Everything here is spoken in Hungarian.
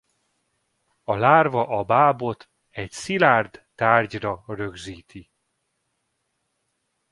A lárva a bábot egy szilárd tárgyra rögzíti.